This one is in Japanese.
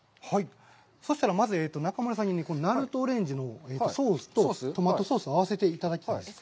そしたら、まず中丸さんになるとオレンジのソースとトマトソースを合わせていただきたいです。